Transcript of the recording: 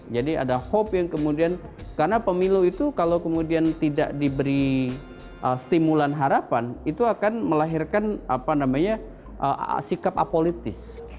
jadi ada hope yang kemudian karena pemilu itu kalau kemudian tidak diberi stimulan harapan itu akan melahirkan sikap apolitis